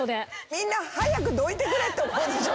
みんな早くどいてくれって思うでしょ。